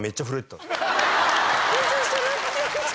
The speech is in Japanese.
緊張してる。